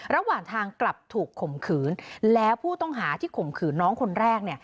ระหว่างทางกลับถูกข่มขืนแล้วผู้ต้องหาที่ข่มขืนน้องคนแรก